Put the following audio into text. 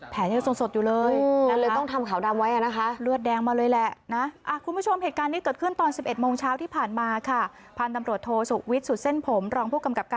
แผลมันจะสนสดอยู่เลยไม่ว่าต้องทำขาวดำไว้อ่ะนะคะ